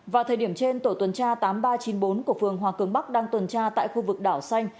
vào thời điểm trên tổ tuần tra tám nghìn ba trăm chín mươi bốn của phường hòa cường bắc đang tuần tra tại khu vực đảo xanh